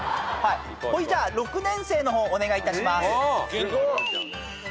ほいじゃあ６年生の方お願いいたします。